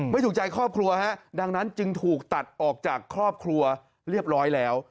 ไม่ถูกใจครอบครัวฮะดังนั้นจึงถูกตัดออกจากครอบครัวเรียบร้อยแล้ว